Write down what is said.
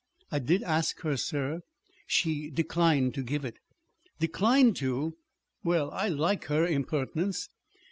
"I did ask her, sir. She declined to give it." "Declined to Well, I like her impertinence."